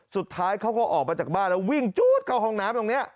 สุดท้ายเขาก็ออกมาจากบ้านแล้ววิ่งจู๊ดเข้าห้องน้ำตรงนี้